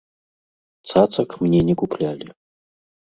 Цацак мне не куплялі.